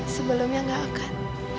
sebelumnya enggak akan